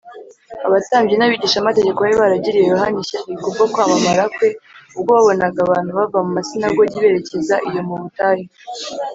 Abatambyi n’abigishamategeko bari baragiriye Yohana ishyari kubwo kwamamara kwe ubwo babonaga abantu bava mu masinagogi berekeza iyo mu butayu